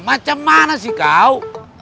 macam mana sih kau